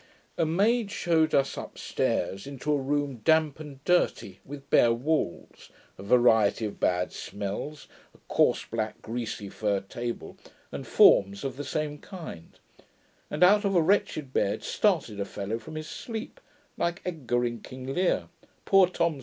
A maid shewed us up stairs into a room damp and dirty, with bare walls, a variety of bad smells, a coarse black greasy fir table, and forms of the same kind; and out of a wretched bed started a fellow from his sleep, like Edgar in King Lear, 'Poor Tom's a cold'.